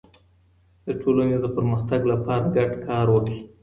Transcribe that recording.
د ټولني د پرمختګ لپاره ګډ کار وکړئ.